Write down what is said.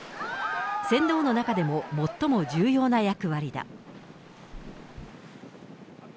船頭の中でも最も重要な役割だ。